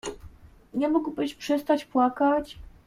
Nie mógłbyś przestać płakać?